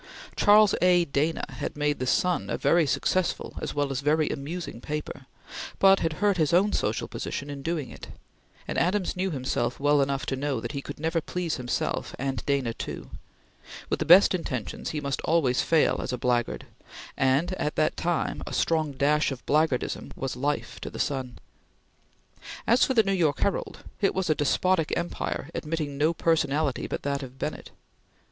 Charles A. Dana had made the Sun a very successful as well as a very amusing paper, but had hurt his own social position in doing it; and Adams knew himself well enough to know that he could never please himself and Dana too; with the best intentions, he must always fail as a blackguard, and at that time a strong dash of blackguardism was life to the Sun. As for the New York Herald, it was a despotic empire admitting no personality but that of Bennett.